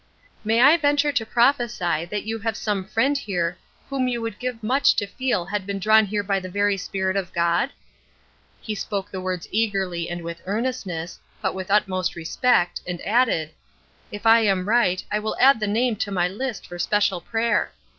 "May I venture to prophesy that you have some friend here whom you would give much to feel had been drawn here by the very Spirit of God?" He spoke the words eagerly and with earnestness, but with utmost respect, and added, "If I am right I will add the name to my list for special prayer.